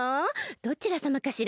どちらさまかしら？